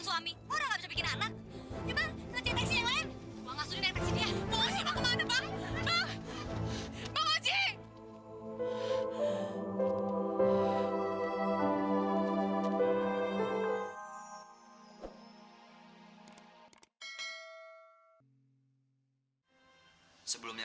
sampai jumpa di video selanjutnya